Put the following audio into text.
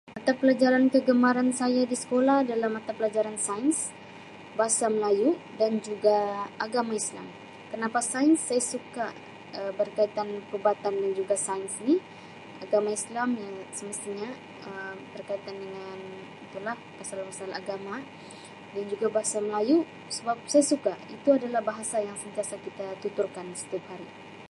Mata pelajaran kegemaran saya di sekolah adalah mata pelajaran Sains, Bahasa Melayu dan juga Agama Islam. Kenapa Sains, saya suka Um berkaitan perubatan dan juga sains ni. Agama Islam semestinya berkaitan dengan itulah kesan-kesan agama dan juga bahasa melayu, sebab saya suka. Itu adalah bahasa yang kita tuturkan setiap hari.